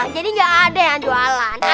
jadi nggak ada yang jualan